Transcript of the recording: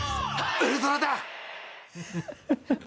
ウルトラだ！